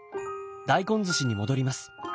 大根ずしに戻ります。